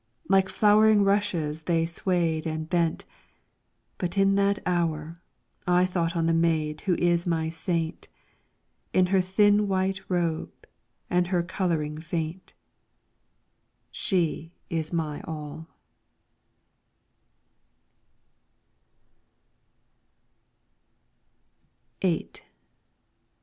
Like flowering rushes they swayed and bent. But in that hour I thought on the maid who is my saint. In her thin white robe and her colouring faint ; She is my all.